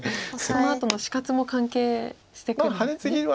そのあとの死活も関係してくるんですね。